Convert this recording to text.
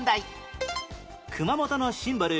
熊本のシンボル